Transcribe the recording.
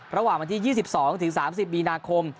ระหว่างวันที่๒๒๓๐มีนาคม